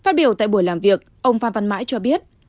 phát biểu tại buổi làm việc ông phan văn mãi cho biết